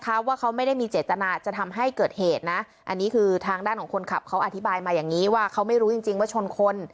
เพราะว่าเขาไม่ได้มีเจตนาจะทำให้เกิดเหตุนะอันนี้คือทางด้านของคนขับเขาอธิบายมาอย่างนี้ว่าเขาไม่รู้จริงจริงว่าชนคน